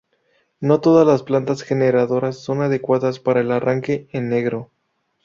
No todas las plantas generadoras son adecuadas para el arranque en negro.